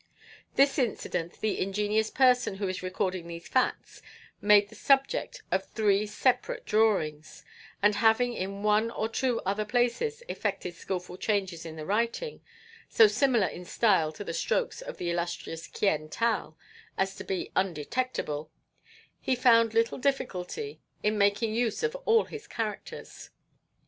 This incident the ingenious person who is recording these facts made the subject of three separate drawings, and having in one or two other places effected skilful changes in the writing, so similar in style to the strokes of the illustrious Kyen Tal as to be undetectable, he found little difficulty in making use of all his characters.